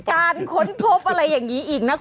ค้นพบอะไรอย่างนี้อีกนะคุณ